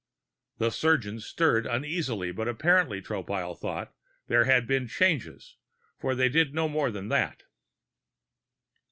The surgeons stirred uneasily, but apparently, Tropile thought, there had been changes, for they did no more than that.